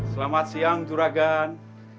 selamat siang juragan